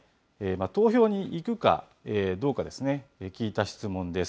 投票に行くかどうか聞いた質問です。